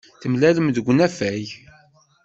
Temlalem deg unafag.